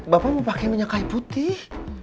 bapak mau pakai minyak kayu putih